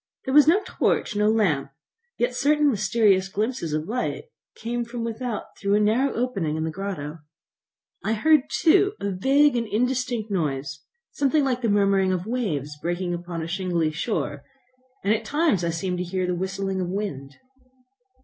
There was no torch, no lamp, yet certain mysterious glimpses of light came from without through a narrow opening in the grotto. I heard too a vague and indistinct noise, something like the murmuring of waves breaking upon a shingly shore, and at times I seemed to hear the whistling of wind.